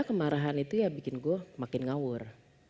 kemarahan itu ya bikin gue makin ngawur